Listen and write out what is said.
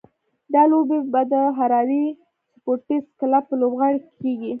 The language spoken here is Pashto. دا لوبې به د هراري سپورټس کلب په لوبغالي کې کېږي.